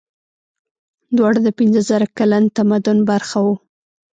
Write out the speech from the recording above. دواړه د پنځه زره کلن تمدن برخه وو.